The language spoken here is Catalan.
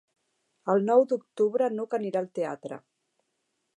El nou d'octubre n'Hug anirà al teatre.